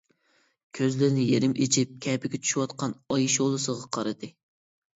كۆزلىرىنى يېرىم ئېچىپ كەپىگە چۈشۈۋاتقان ئاي شولىسىغا قارىدى.